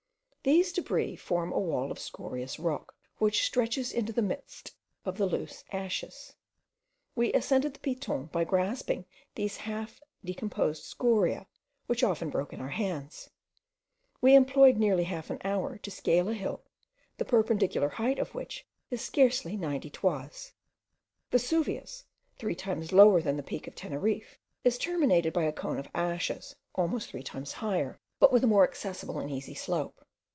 These debris form a wall of scorious rock, which stretches into the midst of the loose ashes. We ascended the Piton by grasping these half decomposed scoriae, which often broke in our hands. We employed nearly half an hour to scale a hill, the perpendicular height of which is scarcely ninety toises. Vesuvius, three times lower than the peak of Teneriffe, is terminated by a cone of ashes almost three times higher, but with a more accessible and easy slope.